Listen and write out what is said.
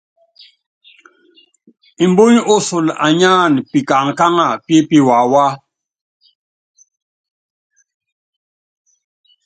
Mbuny osolanyáan pikaŋkáŋua pi piwawá.